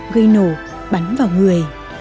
gây nổ bắn vào người